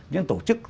những tổ chức